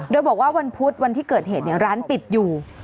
โดยบอกว่าวันพุธวันที่เกิดเหตุร้านปิดอยู่